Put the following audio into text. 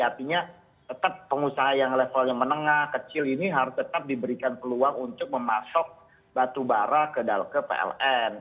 artinya tetap pengusaha yang levelnya menengah kecil ini harus tetap diberikan peluang untuk memasok batubara ke pln